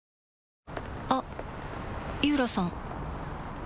あっ井浦さん